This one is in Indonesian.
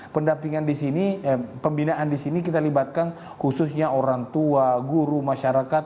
pendampingan di sini pembinaan di sini kita libatkan khususnya orang tua guru masyarakat